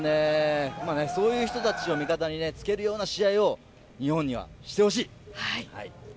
そういう人たちを味方につけるような試合を、日本にはしてほしい。